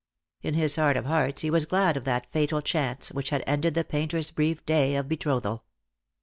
In his heart of hearts he was glad of that fatal chance which had ended the painter's brief day of betrothal.